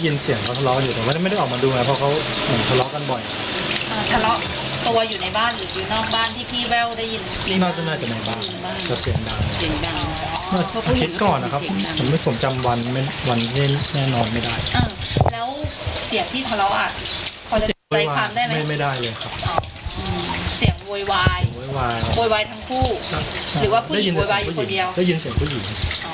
แล้วเสียงที่ทะเลาะอ่ะพอได้พอใจความได้ไหม